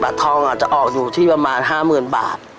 บัตรฐองอ่ะจะออกอยู่ที่ประมาณห้ามึนบาท